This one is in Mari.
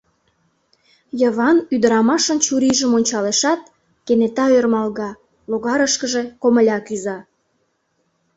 Йыван ӱдырамашын чурийжым ончалешат, кенета ӧрмалга, логарышкыже комыля кӱза...